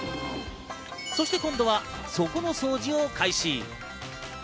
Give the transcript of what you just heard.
そして今度は底の掃除を開始。